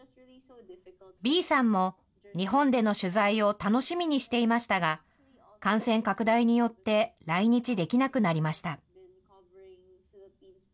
ビーさんも日本での取材を楽しみにしていましたが、感染拡大によって、来日できなくなりました。